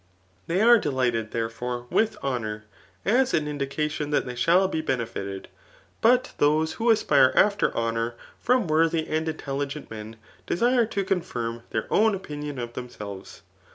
They are delighted, therefore, with honour, as an indication that they shall be benefited. But those who asjnre after honour from worthy and intelligent men, desire to con firm their own opinion of themselves.